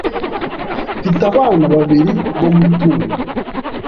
Mfite abana babiri bo gutunga .